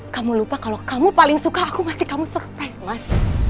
kamu lupa kalau kamu paling suka aku ngasih kamu surprise mas